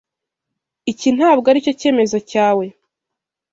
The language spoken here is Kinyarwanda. Iki ntabwo aricyo cyemezo cyawe.